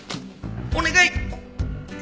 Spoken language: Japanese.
お願い！